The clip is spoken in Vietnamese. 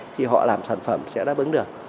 thì họ làm sản phẩm sẽ đáp ứng được